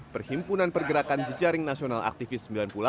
perhimpunan pergerakan jejaring nasional aktivis sembilan puluh delapan